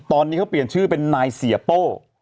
ตอนนี้เขาเปลี่ยนชื่อเป็นนายเสียโป้